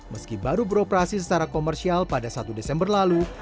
meski baru beroperasi secara komersial pada satu desember lalu